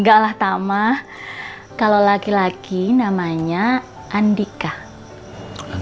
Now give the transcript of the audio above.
gaklah tamah kalau laki laki namanya andika